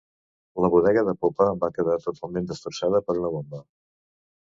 La bodega de popa va quedar totalment destrossada per una bomba.